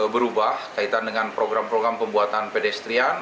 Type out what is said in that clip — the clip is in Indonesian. berubah kaitan dengan program program pembuatan pedestrian